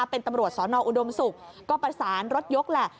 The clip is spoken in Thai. เป็นตำรวจสอนออุดมศุกร์ก็ประสานรถยกแหละ